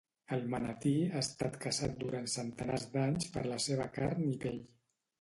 El manatí ha estat caçat durant centenars d'anys per la seva carn i pell.